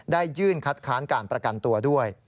ยื่นคัดค้านการประกันตัวด้วย